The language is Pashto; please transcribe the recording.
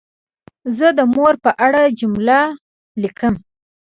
زه د مور په اړه جمله لیکم.